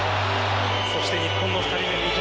そして日本の２人目、三笘。